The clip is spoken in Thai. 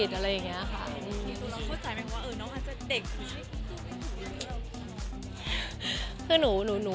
คุณตูน้องก็คิดว่าน้องมันจะดูด้วยหรือเปล่า